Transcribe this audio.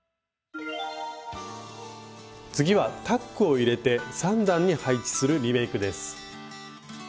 次はタックを入れて３段に配置するリメイクです。